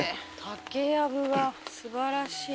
竹やぶが素晴らしい。